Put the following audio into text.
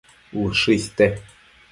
Ushë iste